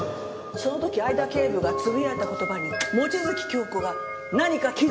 その時会田警部がつぶやいた言葉に望月京子が何か気づいた様子でした。